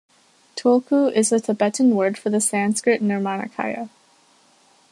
Tulku is the Tibetan word for the Sanskrit "nirmanakaya".